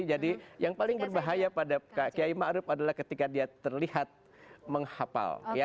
jadi yang paling berbahaya pada kiai ma'ruf adalah ketika dia terlihat menghapal